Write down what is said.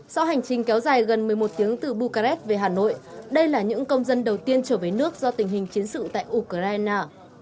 sau hành trình kéo dài gần một mươi một tiếng từ bucharest về hà nội đây là những công dân đầu tiên trở về nước do tình hình chiến sự tại ukraine